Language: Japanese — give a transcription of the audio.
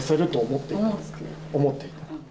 思っていた。